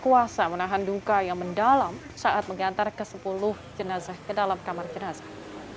kuasa menahan duka yang mendalam saat mengantar ke sepuluh jenazah ke dalam kamar jenazah